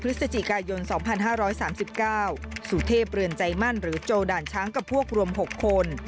พฤศจิกายน๒๕๓๙สุเทพเรือนใจมั่นหรือโจด่านช้างกับพวกรวม๖คน